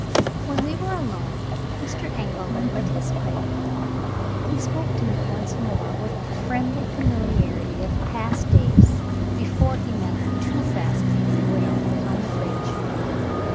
When we were alone, Mr. Engelman lit his pipe. He spoke to me once more with the friendly familiarity of past days before he met the too fascinating widow on the bridge.